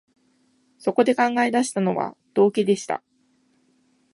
そこで考え出したのは、道化でした